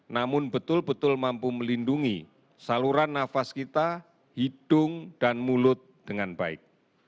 namun betul betul mampu melindungi saluran nafas kita hidung dan mulut dengan baik